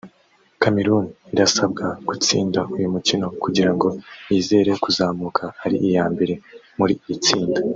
Cameroon irasabwa gutsinda uyu mukino kugira ngo yizere kuzamuka ari iya mbere muri iri tsinda